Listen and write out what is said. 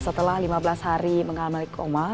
setelah lima belas hari mengalami koma